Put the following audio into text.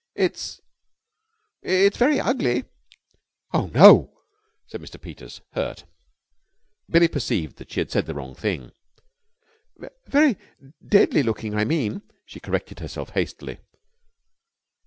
"It's it's very ugly!" "Oh, no!" said Mr. Peters, hurt. Billie perceived that she had said the wrong thing. "Very deadly looking, I meant," she corrected herself hastily.